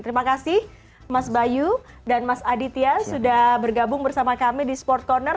terima kasih mas bayu dan mas aditya sudah bergabung bersama kami di sport corner